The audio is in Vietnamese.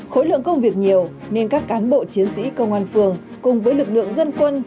khối lượng công việc nhiều nên các cán bộ chiến sĩ công an phường cùng với lực lượng dân quân